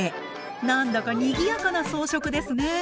何だかにぎやかな装飾ですね。